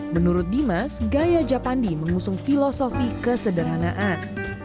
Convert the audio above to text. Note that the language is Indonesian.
menurut dimas gaya japandi mengusung filosofi kesederhanaan